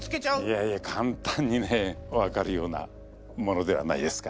いやいや簡単にね分かるようなものではないですから。